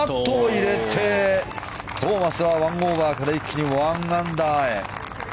入れてトーマスは１オーバーから一気に１アンダーへ。